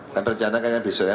akan berencana besok ya